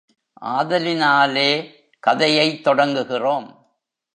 ஆதலினாலே, கதையைத் தொடங்குகிறோம்.